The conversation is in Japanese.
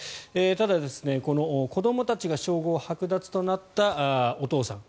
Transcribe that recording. ただ、この子どもたちが称号はく奪となったお父さん